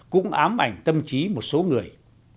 cũng ám ảnh tâm trí một số người